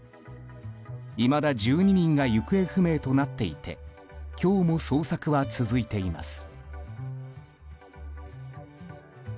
いまだ１２人が行方不明となっていて今日も捜索は続いています。